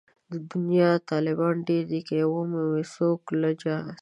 د دنيا طالبان ډېر دي که يې مومي څوک له چا